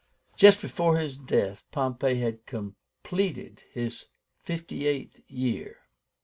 Just before his death Pompey had completed his fifty eighth year.